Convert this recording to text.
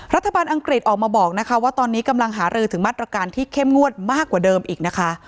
อังกฤษออกมาบอกนะคะว่าตอนนี้กำลังหารือถึงมาตรการที่เข้มงวดมากกว่าเดิมอีกนะคะ